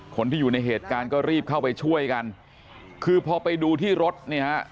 คนที่อยู่ในเหตุการณ์ก็รีบเข้าไปช่วยกันคือพอไปดูที่รถเนี่ยฮะ